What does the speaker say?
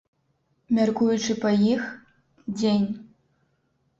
Мяркуючы па іх, дзень.